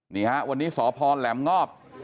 นี่ฮะวันนี้สพแหลมงอบ